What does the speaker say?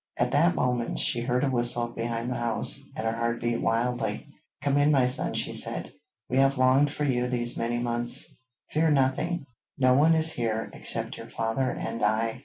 At that moment she heard a whistle behind the house, and her heart beat wildly. 'Come in, my son,' she said. 'We have longed for you these many months. Fear nothing; no one is here except your father and I.'